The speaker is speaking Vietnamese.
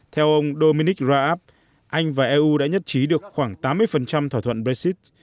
theo ông dominic raab anh và eu đã nhất trí được khoảng tám mươi thỏa thuận brexit